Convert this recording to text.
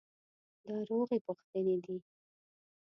دا روغې پوښتنې دي.